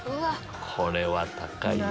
これは高いよ。